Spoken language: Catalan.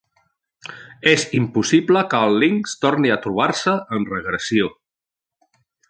És impossible que el linx torni a trobar-se en regressió.